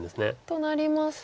となりますと。